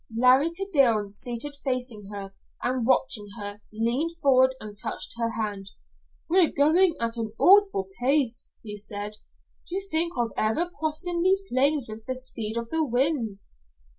Larry Kildene, seated facing her and watching her, leaned forward and touched her hand. "We're going at an awful pace," he said. "To think of ever crossing these plains with the speed of the wind!"